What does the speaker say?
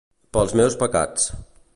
Pels meus pecats.